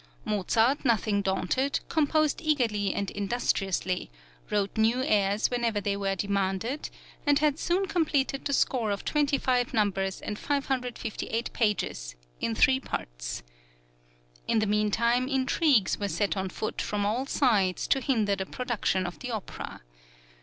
Mozart, nothing daunted, composed eagerly and industriously, wrote new airs whenever they were demanded, and had soon completed the score of 25 numbers and 558 pages, in three parts. In the meantime intrigues were set on foot from all sides to hinder the production of the opera.